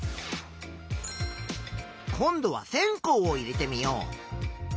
今度は線香を入れてみよう。